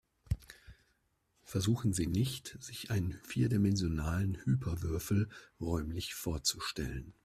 Versuchen Sie nicht, sich einen vierdimensionalen Hyperwürfel räumlich vorzustellen.